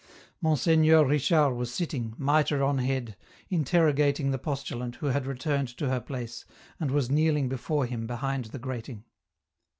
Monseigneur Richard was sitting, mitre on head, interrogating the postulant who had returned to her place, and was kneel ing before him behind the grating.